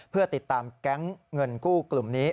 เพื่อติดตามแก๊งเงินกู้กลุ่มนี้